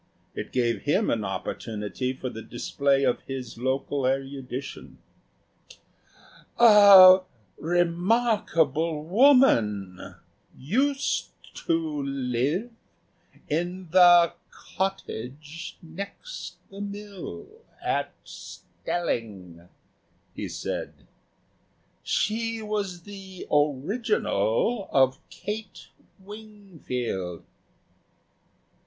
It gave him an opportunity for the display of his local erudition. "A remarkable woman used to live in the cottage next the mill at Stelling," he said; "she was the original of Kate Wingfield."